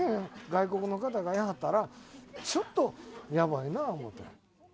外国の方がいはったら、ちょっとやばいな思って。